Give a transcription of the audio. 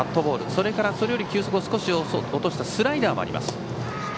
それから、それより球速を少し落としたスライダーもあります。